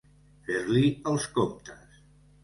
Fer-li els comptes.